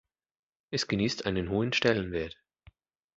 Es genießt einen hohen Stellenwert.